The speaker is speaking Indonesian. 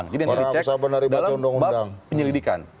jadi yang di cek dalam bab penyelidikan